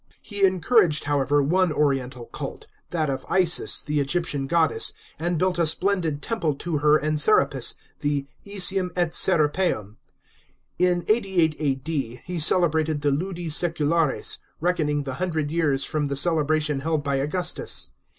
He encouraged, however, one oriental cult, that of Isis, the Egyptian goddess, and built a splendid temple to her and Serapis, the Iseum et Serapeum. In 88 A.D. he celebrated the Ludi Seculares, reckoning the hundred years from the celebration held by Augustus.